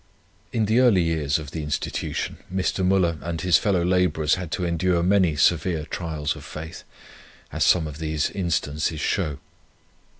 In the early years of the Institution Mr. Müller and his fellow labourers had to endure many severe trials of faith, as some of these instances show.